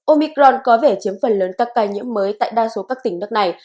omicron có vẻ chiếm phần lớn các ca nhiễm mới tại đa số các tỉnh nước này